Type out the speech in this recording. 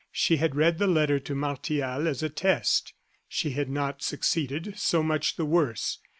She had read the letter to Martial as a test. She had not succeeded; so much the worse.